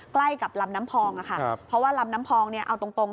ใกล้กับลำน้ำพองอะค่ะเพราะว่าลำน้ำพองเนี่ยเอาตรง